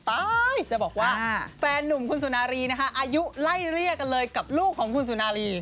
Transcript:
จะบอกว่าแฟนนุ่มคุณสุนารีนะคะอายุไล่เรียกกันเลยกับลูกของคุณสุนารี